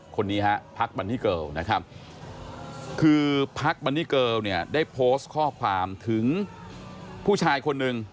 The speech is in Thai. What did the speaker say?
คนนี้ฮะพักบันนี่เกิลนะครับคือพักบันนี่เกิลเนี่ยได้โพสต์ข้อความถึงผู้ชายคนหนึ่ง